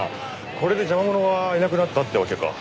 これで邪魔者はいなくなったってわけか。